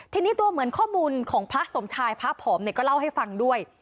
ทีนี้ตัวเหมือนข้อมูลของพระสมชายพระผอมเนี่ยก็เล่าให้ฟังด้วย